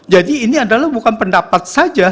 jadi ini adalah bukan pendapat saja